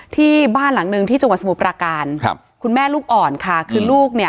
ที่บ้านหลังหนึ่งที่จังหวัดสมุทรปราการครับคุณแม่ลูกอ่อนค่ะคือลูกเนี่ย